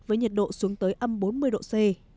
với nhiệt độ xuống tới âm bốn mươi độ c